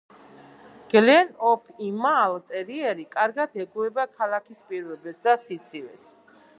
გლენ ოფ იმაალ ტერიერი კარგად ეგუება ქალაქის პირობებს და სიცივეს.